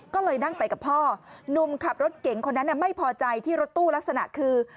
ก็เลยนั่งไปกับพ่อหนุ่มขับรถเก่งคนนั้นไม่พอใจที่รถตู้ลักษณะคือ